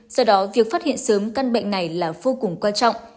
do đó việc phát hiện sớm căn bệnh này là vô cùng quan trọng